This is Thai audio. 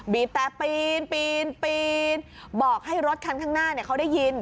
บีดแตะปีนบอกให้รถคันข้างหน้าเขายิน